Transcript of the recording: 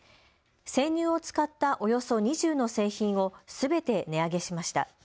生乳を使ったおよそ２０の製品をすべて値上げしました。